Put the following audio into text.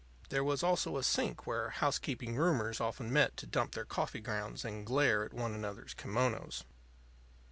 There was also a sink where housekeeping roomers often met to dump their coffee grounds and glare at one another's kimonos.